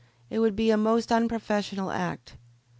It would be a most unprofessional act."